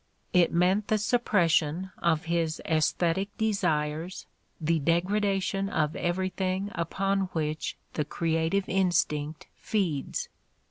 , It meant the sup pression of his aesthetic desires, the degradation of everything upon which the creative instinct feeds.